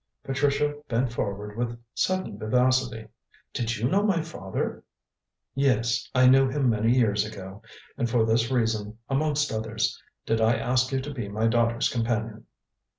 Patricia bent forward with sudden vivacity. "Did you know my father?" "Yes. I knew him many years ago, and for this reason, amongst others, did I ask you to be my daughter's companion."